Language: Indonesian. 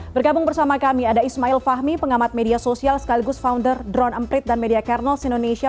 bergabung bersama kami ada ismail fahmi pengamat media sosial sekaligus founder drone emprit dan media kernels indonesia